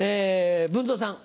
文蔵さん